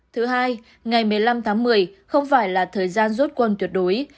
thứ hai ngày một mươi năm tháng một mươi không phải là thời gian rút quân tuyệt đối